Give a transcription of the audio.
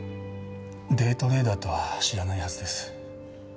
デイトレーダーとは知らないはずです。